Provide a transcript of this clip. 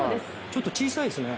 ちょっと小さいですね。